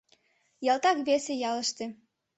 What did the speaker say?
Ялтак весе ялыште.